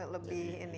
lebih ini ya